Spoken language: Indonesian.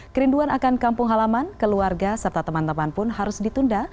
kerinduan akan kampung halaman keluarga serta teman teman pun harus ditunda